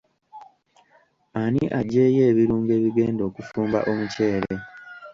Ani aggyeewo ebirungo ebigenda okufumba omuceere?